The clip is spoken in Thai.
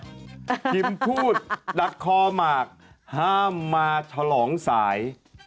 คริมพูดดักคอมากห้ามมาทะลองสาย